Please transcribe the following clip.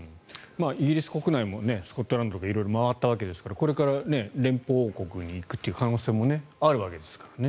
イギリス国内もスコットランドとか色々回ったわけですからこれから連邦王国に行くという可能性もあるわけですから。